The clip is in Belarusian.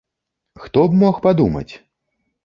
Хто б мог падумаць!